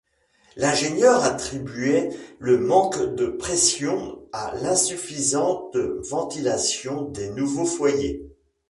L’ingénieur attribuait le manque de pression à l’insuffisante ventilation des nouveaux foyers.